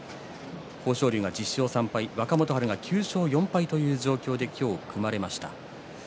豊昇龍が１０勝３敗若元春が９勝４敗という状況で今日、組まれました。